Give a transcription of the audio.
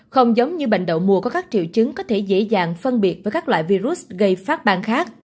không giống như bệnh đậu mùa có các triệu chứng có thể dễ dàng phân biệt với các loại virus gây phát bang khác